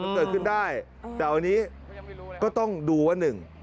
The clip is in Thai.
มันเกิดขึ้นได้แต่วันนี้ก็ต้องดูว่าหนึ่ง